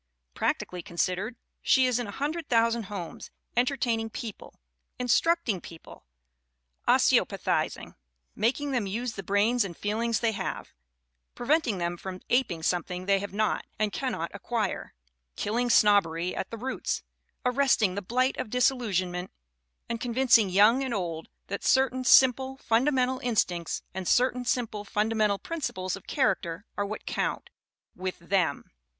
Prac tically considered she is in a hundred thousand homes, entertaining people, instructing people, osteopathiz ing, making them use the brains and feelings they have, preventing them from aping something they have not and cannot acquire, killing snobbery at the roots, arresting the blight of disillusionment and con vincing young and old that certain simple, funda mental instincts and certain simple, fundamental prin ciples of character are what count with them.